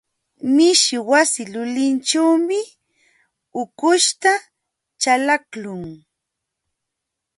Mishi wasi lulinćhuumi ukuśhta chalaqlun.